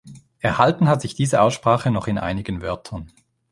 Erhalten hat sich diese Aussprache noch in einigen Wörtern.